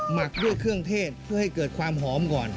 หมักด้วยเครื่องเทศเพื่อให้เกิดความหอมก่อน